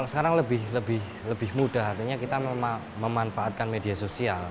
sekarang lebih mudah artinya kita memanfaatkan media sosial